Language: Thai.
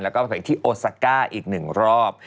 แล้วก็ไปที่โอซาก้าอีก๑รอบ